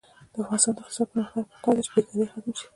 د افغانستان د اقتصادي پرمختګ لپاره پکار ده چې بېکاري ختمه شي.